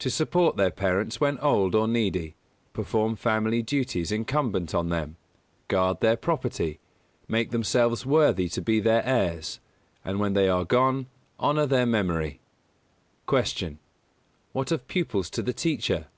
To support their parents when old or needy; perform family duties incumbent on them; guard their property; make themselves worthy to be their heirs, and when they are gone, honour their memory. 209. Q. _What of pupils to the teacher?